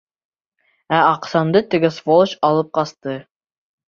Ә аҡсамды теге сволочь алып ҡасты.